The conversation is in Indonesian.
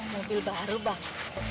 mobil baru bang